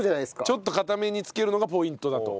ちょっとかためにつけるのがポイントだと。